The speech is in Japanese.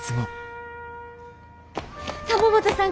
玉本さん